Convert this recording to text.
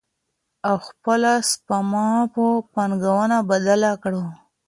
او خپله سپما په پانګونه بدله کړو.